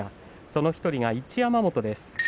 その１人が一山本です。